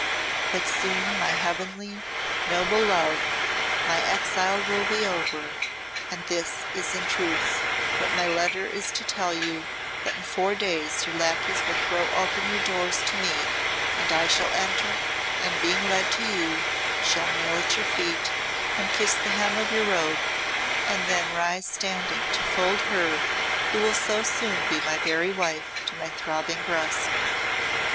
But soon, my heavenly, noble love, my exile will be over, and this is in truth what my letter is to tell you, that in four days your lacqueys will throw open your doors to me and I shall enter, and being led to you, shall kneel at your feet and kiss the hem of your robe, and then rise standing to fold her who will so soon be my very wife to my throbbing breast."